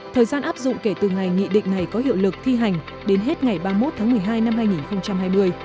thời gian áp dụng kể từ ngày nghị định này có hiệu lực thi hành đến hết ngày ba mươi một tháng một mươi hai năm hai nghìn hai mươi